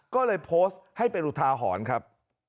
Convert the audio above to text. ก็เลยโพสต์ให้เป็นอุทาหรณ์ครับ